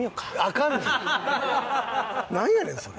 なんやねんそれ。